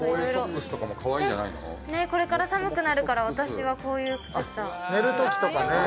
これから寒くなるから、私はこういう靴下を。